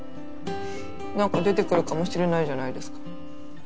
なんか出てくるかもしれないじゃないですか。